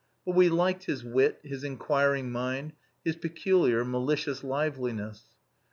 But we liked his wit, his inquiring mind, his peculiar, malicious liveliness.